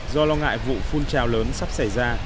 do lo ngại vụ phun trào lớn sắp xảy ra